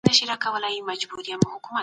استازي به د حکومت پر کمزوریو نيوکي کوي.